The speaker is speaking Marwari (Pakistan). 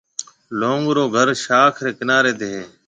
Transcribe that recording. لونگ رو گهر شاخ ريَ ڪناريَ تي هيَ۔